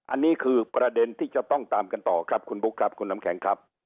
อันนี้คือประเด็นที่จะต้องตามกันต่อครับคุณบุ๊คครับคุณน้ำแข็งครับ